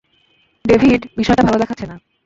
David, বিষয়টা ভালো দেখাচ্ছে না!